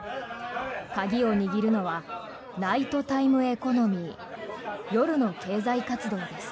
鍵を握るのはナイトタイムエコノミー夜の経済活動です。